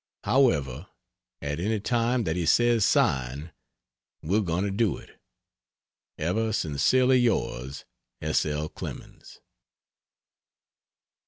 However, at any time that he says sign, we're going to do it. Ever sincerely Yours S. L. CLEMENS.